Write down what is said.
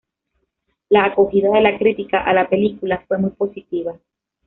La acogida de la crítica a la película fue muy positiva.